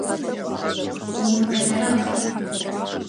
Умыбэлэрыгъ!